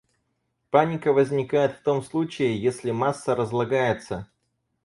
Паника возникает в том случае, если масса разлагается.